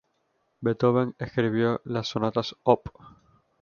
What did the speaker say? Beethoven escribió las sonatas op.